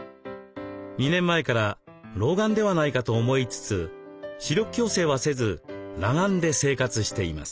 ２年前から老眼ではないかと思いつつ視力矯正はせず裸眼で生活しています。